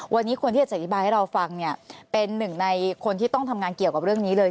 วันนี้คนที่จะอธิบายให้เราฟังเนี่ยเป็นหนึ่งในคนที่ต้องทำงานเกี่ยวกับเรื่องนี้เลย